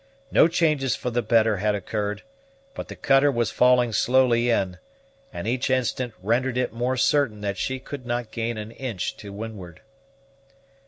No changes for the better had occurred, but the cutter was falling slowly in, and each instant rendered it more certain that she could not gain an inch to windward.